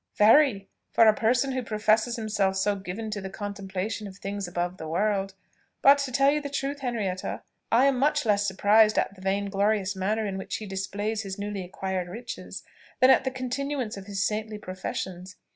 "Very for a person who professes himself so given to the contemplation of things above the world. But to tell you the truth, Henrietta, I am much less surprised at the vain glorious manner in which he displays his newly acquired riches, than at the continuance of his saintly professions.